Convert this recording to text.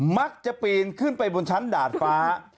ปีนขึ้นไปบนชั้นดาดฟ้า